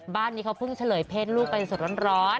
บ้านนี้เขาเพิ่งเฉลยเพศลูกไปสดร้อน